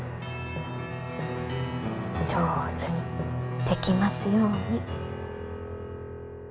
上手にできますように。